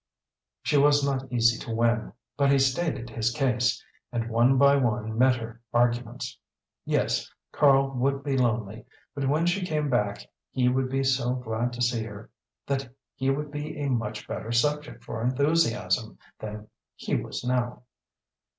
She was not easy to win, but he stated his case, and one by one met her arguments. Yes Karl would be lonely. But when she came back he would be so glad to see her that he would be a much better subject for enthusiasm than he was now.